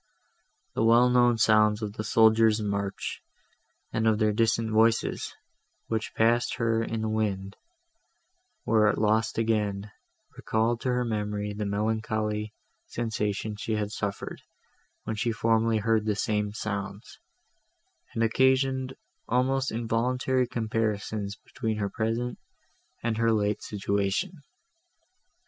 The well known sounds of the soldiers' march, and of their distant voices, which passed her in the wind, and were lost again, recalled to her memory the melancholy sensation she had suffered, when she formerly heard the same sounds; and occasioned almost involuntary comparisons between her present, and her late situation.